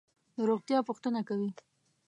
د روغتیا پوښتنه کوي.